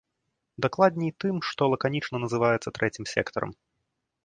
Дакладней, тым, што лаканічна называецца трэцім сектарам.